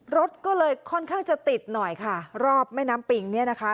รถก็เลยค่อนข้างจะติดหน่อยค่ะรอบแม่น้ำปิงเนี่ยนะคะ